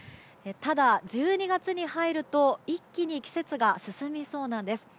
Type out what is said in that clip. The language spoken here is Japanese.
ただ、１２月に入ると一気に季節が進みそうなんです。